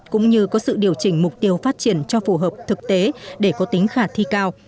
cũng như có sự điều chỉnh mục tiêu phát triển cho phù hợp thực tế để có tính khả thi cao